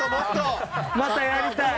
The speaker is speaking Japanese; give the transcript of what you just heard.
またやりたい。